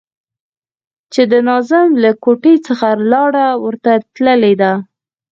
چې د ناظم له کوټې څخه لاره ورته تللې ده.